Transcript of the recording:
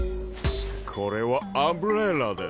これはアンブレラです